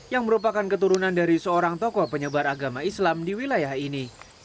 yang merupakan keturunan dari seorang tokoh penyebar agama islam di wilayah ini